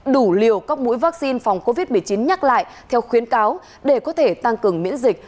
đủ liều các mũi vaccine phòng covid một mươi chín nhắc lại theo khuyến cáo để có thể tăng cường miễn dịch